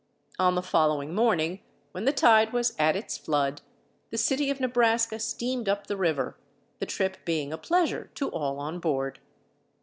On the following morning, when the tide was at its flood, the City of Nebraska steamed up the river, the trip being a pleasure to all on board.